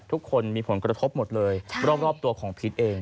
ทุกคนมีผลกระทบหมดเลยรอบตัวของพีชเอง